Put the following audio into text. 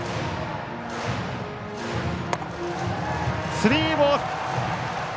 スリーボール。